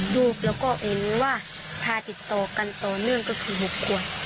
รูปแล้วก็เห็นว่าพาติดต่อกันต่อเนื่องก็คือ๖ขวบ